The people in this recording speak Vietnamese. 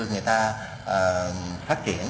người ta phát triển